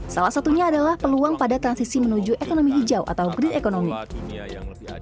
salah satunya adalah peluang pada transisi menuju ekonomi hijau atau green economy